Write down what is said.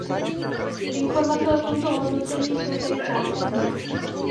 Informace o tomto hodnocení jsou tedy zásadní.